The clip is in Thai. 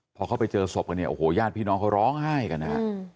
พอเขาไปเจอศพกันเนี่ยโอ้โหญาติพี่น้องเขาร้องไห้กันนะฮะ